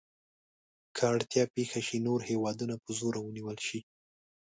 که اړتیا پېښه شي نور هېوادونه په زوره ونیول شي.